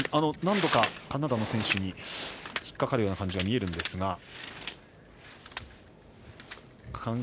何度かカナダの選手に引っ掛かるような感じが見えるんですが。